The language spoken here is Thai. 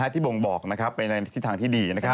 ที่บ่งบอกนะครับเป็นทางที่ดีนะครับ